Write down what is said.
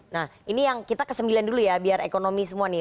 nah ini yang kita ke sembilan dulu ya biar ekonomi semua nih